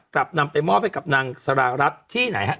กลับนำไปมอบให้กับนางสารารัฐที่ไหนฮะ